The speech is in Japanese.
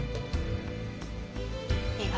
いいわ。